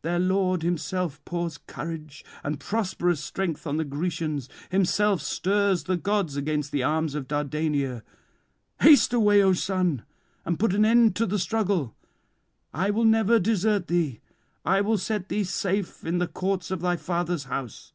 Their lord himself pours courage and prosperous strength on the Grecians, himself stirs the gods against the arms of Dardania. Haste away, O son, and put an end to the struggle. I will never desert thee; I will set thee safe in the courts of thy father's house."